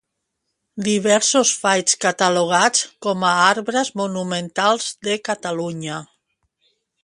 Diversos faigs catalogats com a arbres monumentals de Catalunya.